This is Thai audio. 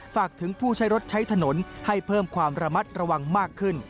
ฝากถึงผู้ใช้รถใช้ถนนให้เพิ่มความระมัดระวังมากขึ้น